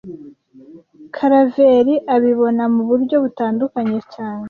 Karaveri abibona muburyo butandukanye cyane